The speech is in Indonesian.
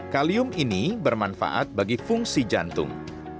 kalium ini bermanfaat bagi fungsi jantung